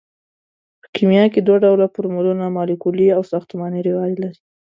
په کیمیا کې دوه ډوله فورمولونه مالیکولي او ساختماني رواج لري.